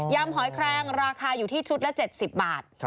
ำหอยแครงราคาอยู่ที่ชุดละ๗๐บาท